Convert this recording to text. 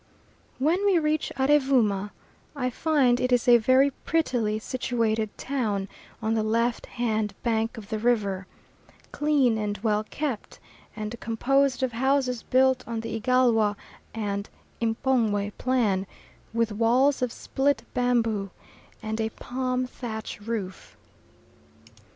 When we reach Arevooma, I find it is a very prettily situated town, on the left hand bank of the river clean and well kept, and composed of houses built on the Igalwa and M'pongwe plan with walls of split bamboo and a palm thatch roof.